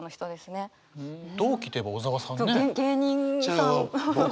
同期といえば小沢さんね。